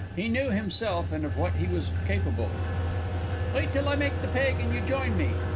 He knew himself and of what he was capable. "Wait till I make the peg and you join me.